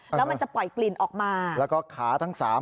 แล้วปล่อยกลิ่นออกมา